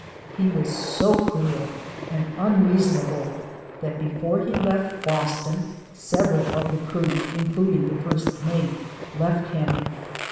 He was so cruel and unreason able that before he left Boston several of the crew, including the first mate, left him.